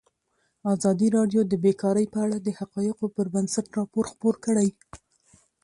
ازادي راډیو د بیکاري په اړه د حقایقو پر بنسټ راپور خپور کړی.